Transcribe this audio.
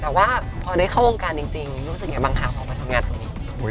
แต่ว่าพอได้เข้าวงการจริงรู้สึกยังไงบ้างคะออกมาทำงานตรงนี้